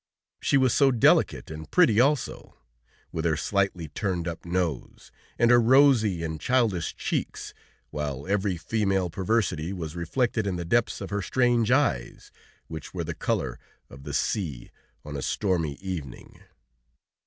She was so delicate and pretty also, with her slightly turned up nose, and her rosy and childish cheeks, while every female perversity was reflected in the depths of her strange eyes, which were the color of the sea on a stormy evening.